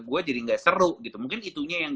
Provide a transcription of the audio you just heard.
gue jadi nggak seru gitu mungkin itunya yang